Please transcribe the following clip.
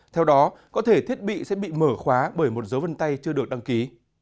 theo đó có thể thiết bị sẽ bị mở khóa bởi một dấu vân tay chưa được đăng ký